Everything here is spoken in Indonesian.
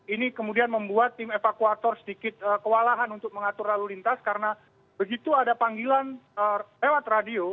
ini kemudian membuat tim evakuator sedikit kewalahan untuk mengatur lalu lintas karena begitu ada panggilan lewat radio